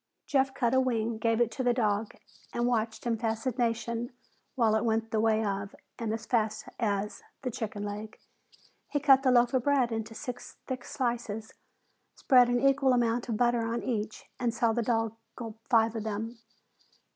Jeff cut a wing, gave it to the dog, and watched in fascination while it went the way of, and as fast as, the chicken leg. He cut the loaf of bread into six thick slices, spread an equal amount of butter on each, and saw the dog gulp five of them.